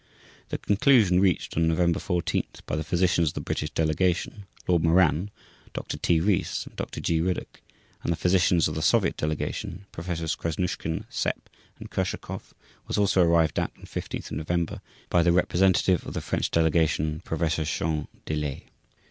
The conclusion reached on November 14 by the physicians of the British Delegation, Lord Moran, Dr. T. Rees and Dr. G. Riddoch, and the physicians of the Soviet Delegation, Professors Krasnushkin, Sepp, and Kurshakov, was also arrived at on 15 November by the representative of the French Delegation, Professor Jean Delay.